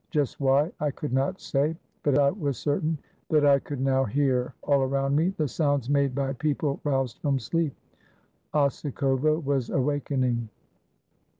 Just why, I could not say, but I was certain that I could now hear, all around me, the sounds made by people roused from sleep. Osikovo was awakening.